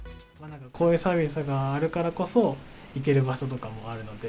こういうサービスがあるからこそ、行ける場所とかもあるので。